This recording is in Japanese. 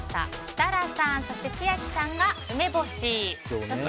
設楽さん、千秋さんが梅干し。